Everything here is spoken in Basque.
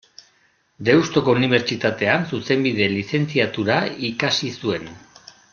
Deustuko Unibertsitatean Zuzenbide lizentziatura ikasi zuen.